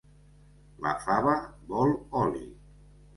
La fava vol oli.